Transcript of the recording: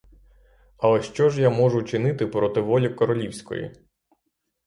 Але що ж я можу чинити проти волі королівської?!